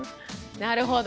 なるほど。